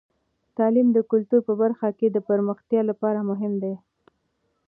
تعلیم د کلتور په برخه کې د پرمختیا لپاره مهم دی.